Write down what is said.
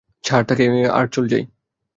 ছাড় তাকে আর চল যাই!